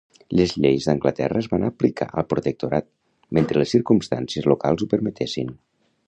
Les lleis d'Anglaterra es van aplicar al protectorat, mentre les circumstàncies locals ho permetessin.